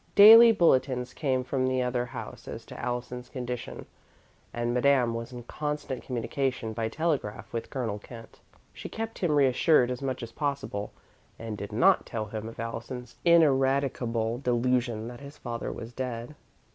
Daily bulletins came from the other house as to Allison's condition, and Madame was in constant communication by telegraph with Colonel Kent. She kept him reassured as much as possible, and did not tell him of Allison's ineradicable delusion that his father was dead.